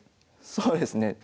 そうですね。